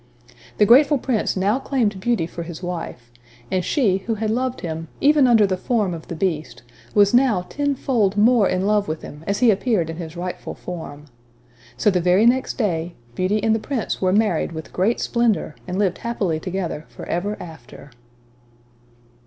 The grateful Prince now claimed Beauty for his wife; and she who had loved him, even under the form of the Beast, was now tenfold more in love with him, as he appeared in his rightful form. So the very next day, Beauty and the Prince were married with great splendor, and lived happily together for ever after.